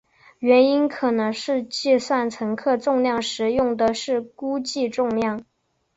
原因可能是计算乘客重量时用的是估计重量。